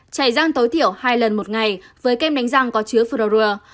chảy răng tối thiểu hai lần một ngày với kem đánh răng có chứa fordow